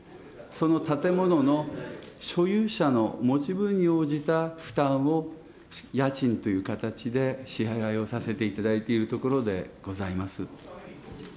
その建物の所有者の持ち分に応じた負担を家賃という形で支払いをさせていただいているところでございます。